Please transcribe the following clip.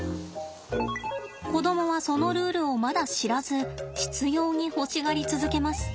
子供はそのルールをまだ知らず執ように欲しがり続けます。